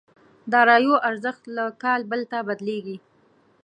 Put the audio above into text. داراییو ارزښت له کال بل ته بدلېږي.